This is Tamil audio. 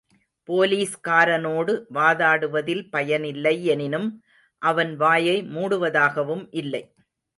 போலீஸ்காரனோடு வாதாடுவதில் பயனில்லை யெனினும் அவன் வாயை மூடுவதாகவும் இல்லை.